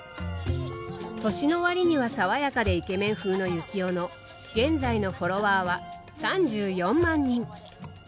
年の割には爽やかでイケメン風の幸男の現在のフォロワーは３４万人。